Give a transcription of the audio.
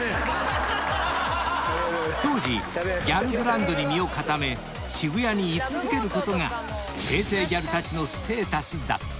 ［当時ギャルブランドに身を固め渋谷にい続けることが平成ギャルたちのステータスだった］